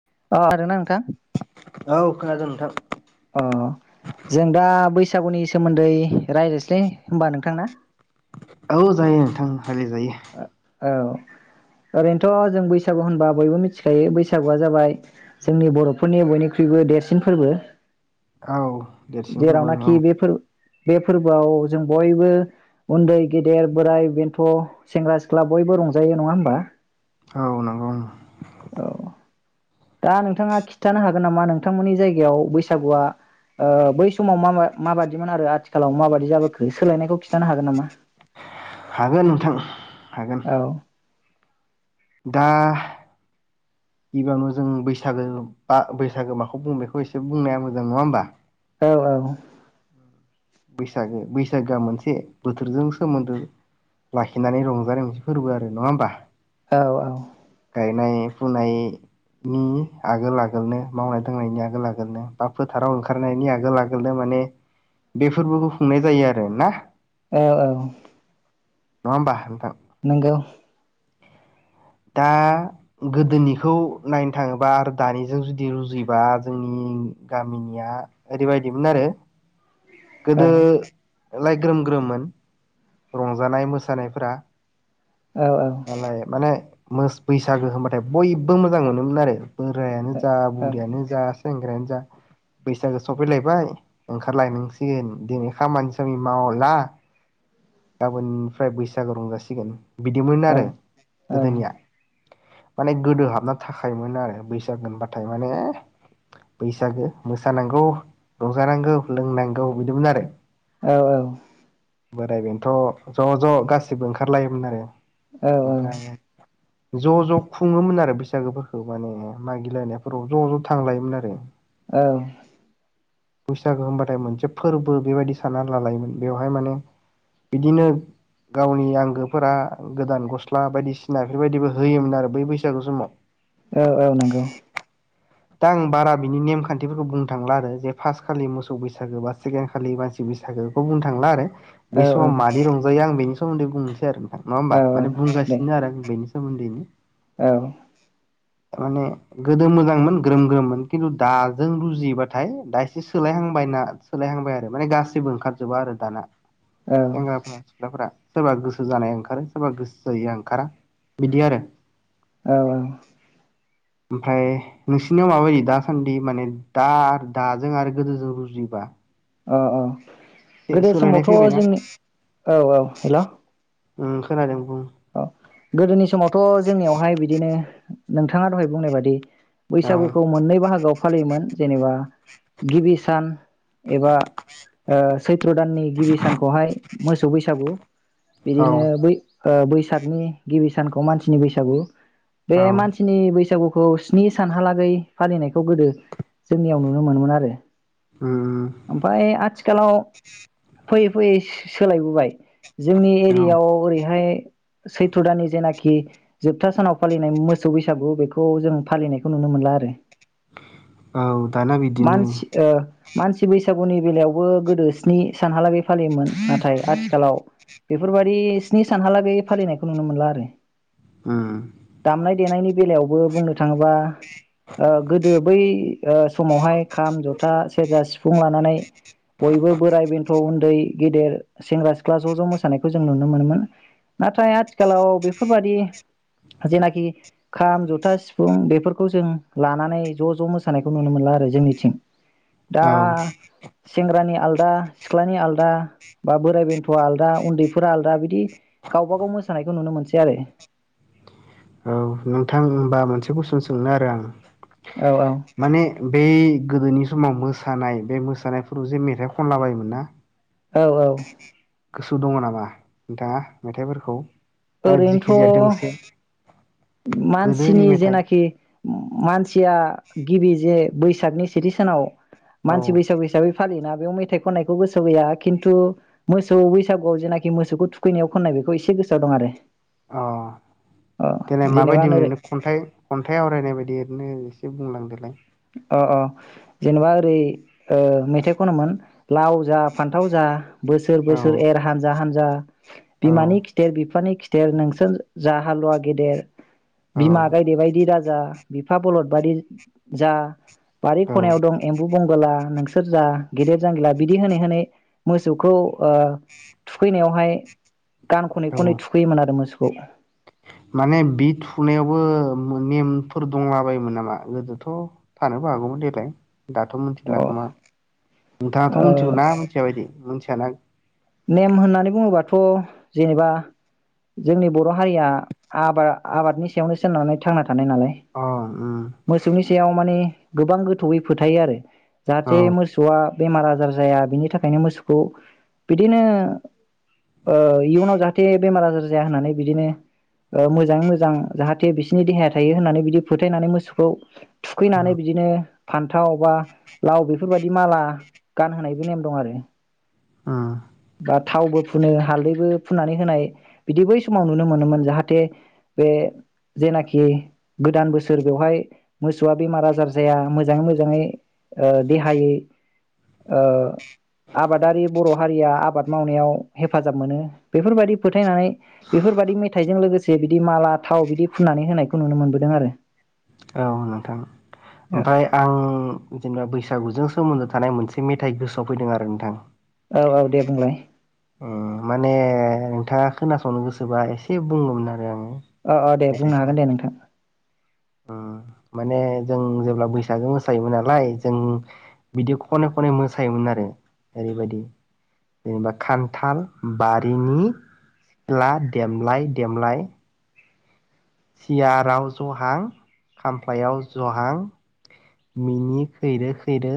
[unintelligible] औ खोनादों नोंथां। अ जों दा बैसागुनि सोमोन्दै रायज्लायसै होनबा नोंथां ना औ जायो नोंथां। रायलाय जायो। औ ओरैनोथ' जों बैसागु होनबा बयबो मिथिखायो बैसागुआ जाबाय जोंनि बर'फोरनि बयनिख्रुइबो देरसिन फोरबो। औ देरसिन फोरबो औ। आव जों बयबो उन्दै गेदेर बोराय बेन्थ' सेंग्रा सिख्ला बयबो रंजायो नङा होमबा? औ नंगौ औ दा नोंथाङा खिथानो हागोन नामा नोंथांमोननि जायगायाव बैसागुआ ओ बै समाव मा माबादिमोन आरो आथिखालाव माबायदि जाबो खो सोलायनायखौ खिन्थानो हागोन नामा? हागोन नोंथां हागोन औ दा गिबाननो जों बैसागो बा बैसागो माखौ बुं बेखौ एसे बुंनाया मोजां नङा होमबा औ औ बैसागो बैसागोआ मोनसे बोथोरजों सोमोन्दो लाखिनानै रंजानाय मोनसे फोरबो आरो नङा होमबा? औ औ। गायनाय फुनाय नि आगोल आगोलनो मावनाय दांनायनि आगोल आगोलनो बा फोथाराव ओंखारनायनि आगोल आगोलनो माने बे फोरबोखौ खुंनाय जायो आरो ना। औ औ नङा होमबा नोंथां? नंगौ दा गोदोनिखौ नायनो थाङोबा आरो दानिजों जुदि रुजुबा जोंनि गामिनिया ओरैबायदिमोन आरो औ गोदो लाइ ग्रोम ग्रोममोन रंजानाय मोसानायफोरा औ औ नाय माने मोस बैसागो होनबाथाय बयबो मोजां मोनोमोन आरो। बोरायानो जा औ बुरियानो जा सेंग्रायानो जा बैसागो सफैलायबाय ओंखारलायनांसिगोन दिनै खामानि सामानि मावला गाबोननिफ्राय बैसागो रंजासिगोन बिदिमोन आरो औ गोदोनिया माने गोदो हाबनो थाखायोन आरो बैसागो ओनबाथाय माने बैसागो मोसानांगौ रंजानांगौ लोंनांगौ बिदिमोन आरो औ औ बोराय बेन थ' ज' ज' गासैबो ओंखारलायोमोन आरो। औ औ ओमफ्राय ज' ज' खुङोमोन आरो बैसागोफोरखौ माने मागिलायनायफोराव ज' ज' थांलायोमोन आरो औ बैसागो होनबाथाय मोनसे फोरबो बेबायदि सानना लालायोमोन बेवहाय माने बिदिनो गावनि आंगोफोरा गोदान गस्ला बायदिसिना बेफोरबायदिबो होयोमोन आरो बै बैसागु समाव। औ औ नंगौ दा आं बारा बिनि नेमखान्थिफोरखौ बुंनो थांला आरो जे फार्स्ट खालि मोसौ बैसागो बा सेकेणड खालि मानसि बैसागो बेखौ बुंनो थांला आरो। औ बै औ समाव मादि रंजायो आं बेनि सोमोनदै बुंनोसै आरो। नङा औ होमबा माने दे बुंगासिनो आरो आं बेनि सोमोन्दैनो औ। माने गोदो मोजांमोन ग्रोम ग्रोममोन खिन्थु दाजों रुजियोबाथाय दा एसे सोलायहांबायना सोलायहांबाय आरो माने गासैबो ओंखारजोबा आरो दाना। औ सेंग्राफोरा सिख्लाफोरा। सोरबा गोसो जानाया ओंखारो सोरबा गोसो जायिया ओंखारा बिदि आरो। औ औ। ओमफ्राय नोंसिनियाव माबायदि दासान्दि माने दा दाजों आरो गोदोजों रुजुयोबा? औ औ गोदो सोलायनाय समावथ' फैबायना जोंनि [inaudible] औ औ हेल'। उम खोनादों। बुं औ गोदोनि समावथ' जोंनियावहाय बिदिनो नोंथाङा दहाय बुंनाय बादि औ बैसागुखौ मोननै बाहागोआव फालियोमोन जेनेबा गिबि सान एबा ओ सैथ्र' दाननि गिबि सानखौहाय मोसौ बैसागु। औ बिदिनो बै ओ बैसागनि गिबि सानखौ मानसिनि बैसागु बे औ मानसिनि बैसागु खौ स्नि सानहालागै फालिनायखौ गोदो जोंनियाव नुनो मोनोमोन आरो। ओम ओमफाय आथिखालाव फै फैयै सोलायबोबाय। जोंनि औ एरियायाव ओरैहाय सैथ्र दाननि जेनाखि जोबथा सानाव फालिनाय मोसौ बैसागु बेखौ जों फालिनायखौ नुनो मोनला आरो। औ दाना बिदिनो मानसि ओ मानसि बैसागुनि बेलायावबो गोदो स्नि सानहालागै फालियोमोन नाथाय आथिखालाव बेफोरबायादि स्नि सानहाला गै फालिनायखौ नुनो मोनला आरो। ओम [inaudible] दामनाय देनायनि बेलायावबो बुंनो थाङोबा गोदो बै समावहाय खाम, जथा, सेरजा, सिफुं लानानै बयबो बोराय बेन्थ' उन्दै गेदेर सेंग्रा-सिख्ला ज' ज' मोसानायखौ जों नुनो नो मोनोमोन। नाथाय आथिखालाव बेफोरबादि जेनाखि खाम, जथा, सिफुं बेफोरखौ जों लानानै ज' ज' मोसानायखौ नुनो मोनला आरो जोंनिथिं। दा औ सेंग्रानि आलदा सिख्लानि आलदा बा बोराइ बेन्थ'आ आलादा उन्दैफोरा आलदा बिदि [inaudible] गावबा गाव मोसानायखौ नुनो मोनसै आरो। औ नोंथां होमबा मोनसे कुइसन सोंनो आरो आं। औ औ माने बै गोदोनि समाव मोस मोसानाय बे मोसानायफोराव जे मेथाइ खनला बायोमोन ना औ औ। गोसोआव दङ नामा दा मेथाइफोरखौ? ना जिखि जाया ओरैनोथ' दोंसे गोदोनि मानसिनि मेथाइ जेनाखि मानसिया गिबि जे बैसागनि सेथि सानाव औ मानसि बैसागु हिसाबै फालियोना बेयाव मेथाइ खननायखौ गोसोआव गैया खिन्थु मोसौ बैसागुआव जेनाखि मोसौखौ थुखैनायाव खननाय बेखौ एसे गोसोआव दं आरो। अ अ देलाय जेनेबा माबायदि ओरै मोन खन्थाइ खन्थाइ आवरायनाय बायदि ओरैनो। एसे बुंलांदोलाय। अ अ जेनेबा ओरै ओ मेथाइ खनमोन लाव जा फान्थाव जा बोसोर औ बोसोर एर हानजा हानज जा औ बिमानि खिथेर बिफानि खिथ देर नोंसोर जा हालुवा गेदेर बिमा औ गायदे बायदि दाज जा बिफा बलद बादि जा बारि खनायाव औ दं एम्बु बंगोला नोंस सेरजा गेदेर जानांगिला बिदि होनै होनै मोसौखौ ओ थुखैनायावहाय गान खनै औ खनै थुखैयोमोन आरो मोसौ औ। माने बि थुनायावबो मो नेमफोर दंलाबायोमोन नामा गोदोथ' थानोबो हागौमोन देलाय। दाथ' मिथिला अ खोमा नोंथाङाथ' ओ मिथिगौ ना मिथिया बायदि मिथि [unintelligible] नेम होननानै बुङोबाथ' जेनेबा जोंनि बर' हारिया आबाद आबादनि सायावनो सोनारनानै थांना थानाय नालाय अ उम मोसौनि सायाव माने गोबां गोथौयै फोथायो आरो। औ जाहाथे मोसौवा बेमार आजार जाया बिनि थाखायनो मोसौखौ बिदिनो ओ इयुनाव जाहाथे बेमार आजार जाया होननानै बिदिनो ओ मोजाङै मोजां जाहाथे बिसोरनि देहाया थायो होननानै बिदि फोथायनानै मोसौखौ उम थुखैनानै बिदिनो फान्थाव बा लाव बेफोरबायदि माला गानहोनायबो नेम दं आरो ओम। बा थावबो फुनो हालदैबो फुननानै होनाय बिदि बै समाव नुनो मोनोमोन जाहाथे बे जेनाखि गोदान बोसोर बेवहाय मोसौआ बेमार आजार जाया मोजाङै मोजाङै ओ देहायै ओ आबादारि बर' हारिया आबाद मावनायाव हेफाजाब मोनो बेफोरबायदि फोथायनानै बेफोरबायदि मेथाइजों लोगोसे बिदि माला थाव बिदि फुननानै होनायखौ नुनो मोनबोदों आरो औ नोंथां ओमफ्राय आं जेनेबा बैसागुजों सोमोन्दो थानाय मोनसे मेथाइ गोसोआव फैदों आरो नोंथां औ औ दे बुंलाय ओम माने नोंथाङा खोनासंनो गोसोबा एसे बुंगौमोन आरो आङो अ अ दे बुंनो हागोन दे नोंथां ओम माने जों जेब्ला बैसागो मोसायोमोन नालाय जों बिदि खन खनै मोसायोमोन आरो ओरैबायदि जेनेबा खान्थाल बारिनि सिख्ला देमलाय देमलाय सियाराव जहां खामफ्लायाव जहां मिनि खैरो खैरो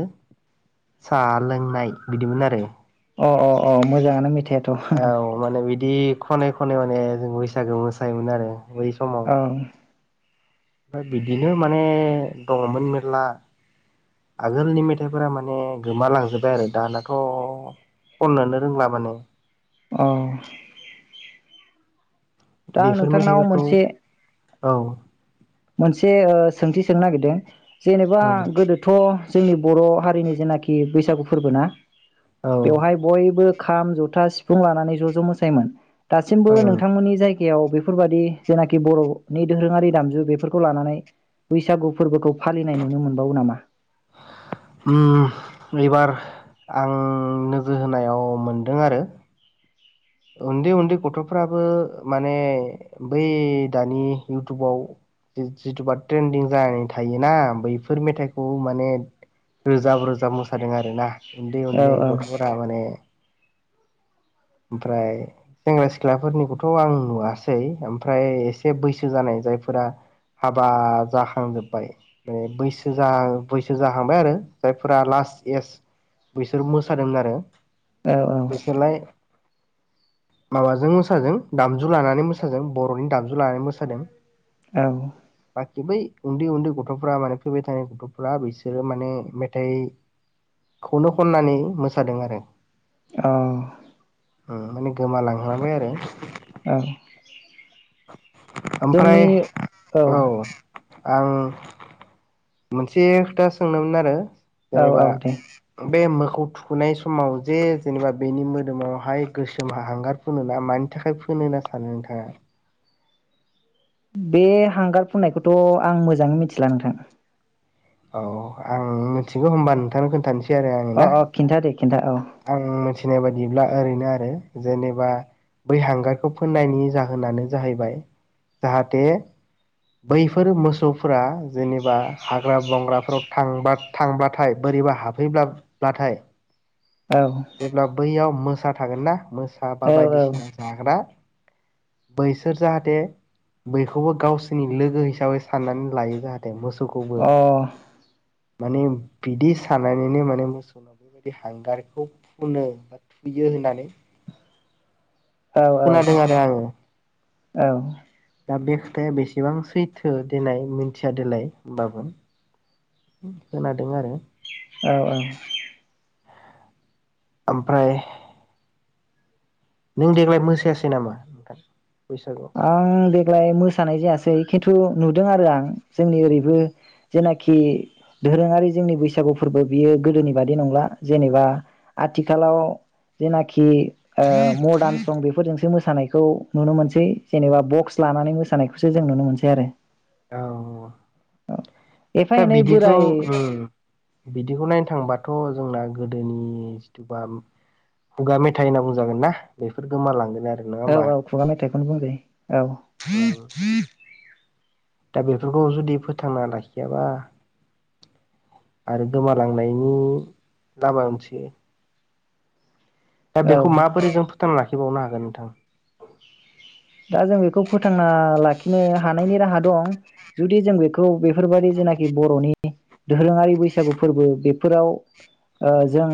साहा लोंनाय बिदिमोन आरो अ अ अ मोजाङानो मेथाइया औ माने बिदि खनै खनै माने जों बैसागो मोसायोमोन आरो बै समाव ओमफ्राय बिदिनो माने दङमोन मेरला आगोलनि मेथाइफोरा माने गोमालांजोबबाय आरो दानाथ खननोनो रोंला माने अ दा बेफोर नोंथांनाव मेथाइफोरखौ मोनसे औ मोनसे ओ सोंथि सोंनो नागिरदों जेनेबा औ गोदोथ जोंनि बर हारिनि जेनाखि बैसागु फोरबो ना औ बेवहाय बयबो खाम, जथा, सिफुं लानानै ज' ज' मोसायोमोन। दासिमबो ओं नोंथांमोननि जाय गायाव बेफोरबादि जेनाखि बर'नि दोरोङारि दामजु बे फोरखौ लानानै बैसागु फोरबोखौ फालिनाय नुनो मोनबावो नामा ओम एबार आं नोजोर होनायाव मोनदों आरो उन्दै उन्दै गथ'फ्राबो माने बै दानि इउटुबाव जि जिथुबा ट्रेन्दिं जानानै थायोना बैफोर मेथाइखौ माने रोजाब रोजाब मोसादों आरो ना उन्दै औ उन्दै औ गथ'फोरा माने ओमफ्राय सेंग्रा सिख्लाफोरनिखौथ आं नुवासै ओमफ्राय एसे बैसो जानाय जायफोरा हाबा जाखांजोब्बाय माने बैसो जाहां बैसो जाहांबाय आरो जायफोरा लास्ट एस बैसोर मोसादोंमोन आरो बिसोरलाय माबाजों मोसादों दामजु लानानै मोसादों बर'नि दामजु लानानै मोसादों। औ बाखि बै उन्दै उन्दै गथफ्रा माने फैबाय थानाय गथफ्रा बिसोरो माने मेथाइखौनो खननानै मोसादों आरो औ ओम माने गोमालांहांबाय आरो औ ओमफ्राय जोंनि औ आं मोनसे खोथा सोंनोमोन आरो औ जेनेबा औ दे । बे मोखौ थुखुनाय समाव जे जेनेबा बेनि मोदोमावहाय गोसोम हांगार फुनो ना मानि थाखाय फोनो होनना सानो नोंथांङा? बे हांगार फुननायखौथ' आं मोजाङै मिथिला नोंथां । औ आं मिथिगौ होमबा नोंथांनो खोन्थानोसै । अ अ खिन्था दे । आं मिथिनाय बायदि बिदिब्ला ओरैनो आरो जेनेबा बै हांगारखौ फोननायनि जाहोनानो जाहैबाय जाहाथे बैफोर मोसौफोरा जेनेबा हाग्रा बंग्रा थांबा थांब्लाथाय बोरैबा हाबहैब्लाथाय औ जेल्बा बैयाव मोसा थागोन ना मोसा सा बा औ अ औ बायदिसिना जाग्रा बैसोर जाहाथे बैखौबो गावसोरनि लोगो हिसाबै साननानै लायो जाहाथे मोसौ अ माने बिदि सानानैनो माने मोसौनाव बेबायदि हांगारखौ फुनो बा थुयो होननानै औ औ खोनादों आरो आङो औ दा बे खोथाया बेसेबां सैथो देनाय मिथियादोलाय होमबाबो खोनादों आरो । औ औ ओमफ्राय नों देग्लाय मोसायासै नामा नोंथां? बैसागुआव आं देग्लाय मोसानाय जायासै । खिन्थु नुदों आरो आं जोंनि ओरैबो जेनाखि दोरोंङारि जोंनि बैसागु फोरबो बियो गोदोनि बादि नंला जेनेबा आथिखालाव जेनाखि मदार्न सं बेफोरजोंसो मोसानायखौ नुनो मोनसै । जेनेबा बक्स लानानै मोसानायखौसो जों नुनो मोनसै आरो । औ दा एफा एनै बिदिखौ बोराय बिदिखौ नायनो थांबाथ' जोंना गोदोनि जिथुबा खुगा मेथाइ होनना बुंजागोन ना बेफोर गोमालांगोन आरो । औ औ खुगा मेथाइखौनो बुंजायो औ उम । दा बेफोरखौ जुदि फोथांना लाखियाबा आरो गोमालांनायनि लामा मोनसै दा औ बेखौ माबोरै जों फोथांना लाखिबावनो हागोन नोंथां? दा जों बेखौ फोथांना लाखिनो हानायनि राहा दं जुदि जों बेखौ बेफोरबायादि जेनाखि बर'नि दोरोंङारि बैसागु फोरबो बेफोराव जों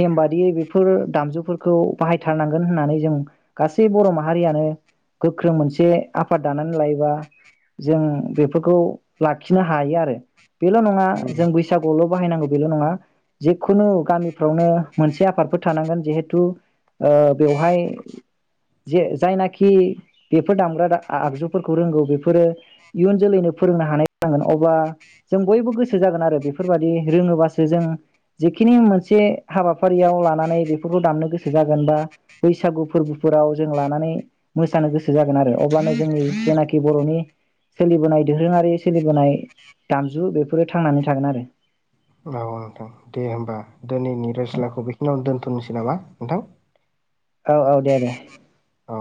नेम बादियै बेफोर दामजुफोरखौ बाहायथारनांगोन होननानै जों गासै बर' माहारियानो गोख्रों मोनसे आफाद दानानै लायोबा जों बेफोरखौ लाखिनो हायो आरो । बेल' नङा उम जों बैसागुल' बाहायनांगौ बेल' नङा जेखुनु गामिफ्रावनो मोनसे आफादफोर थानांगोन जिहेथु ओ बेवहाय जे जायनाखि खि बेफोर दामग्रा दा आ आगजुफोरखौ रोंगौ बेफोरो इयुन जोलैनो फोरोंनो हानाय जांगोन । अब्ला जों बयबो गोसो जागोन आरो बेफोरबादि रोङोबासो जों जेखिनि मोनसे हाबाफारियाव लानानै बेफोरखौ दामनो गोसो जागोन बा बैसागु फोरबोफोराव जों लानानै मोसानो गोसो जागोन आरो अब्लानो जोंनि जेनाखि बरनि सोलिबोनाय दोहोरोङारि सोलिबोनाय दामजु बेफोरो थांनानै थागोन आरो। औ नोंथां दे होमबा दोनैनि रायस्लाखौ बेखिनियावनो दोन्थनोसै नामा नोंथां औ औ दे दे अ